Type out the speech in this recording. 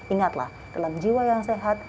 ingatlah dalam jiwa yang sehat